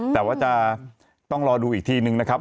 แต่ว่าจะต้องรอดูอีกทีนึงนะครับ